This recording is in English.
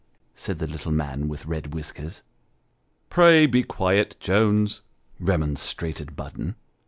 " said the little man with red whiskers. " Pray be quiet, Jones," remonstrated Budden.